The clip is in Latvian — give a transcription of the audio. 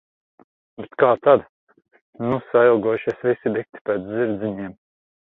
Bet kā tad... Nu sailgojušies visi dikti pēc zirdziņiem.